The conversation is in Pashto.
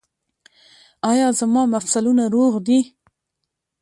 ایا زما مفصلونه روغ دي؟